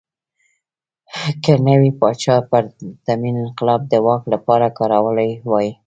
که نوي پاچا پرتمین انقلاب د واک لپاره کارولی وای.